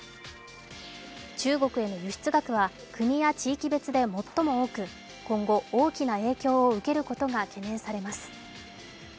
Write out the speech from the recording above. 中国への輸出額は国や地域別で最も大きく今後、大きな影響を受けることが懸念されます。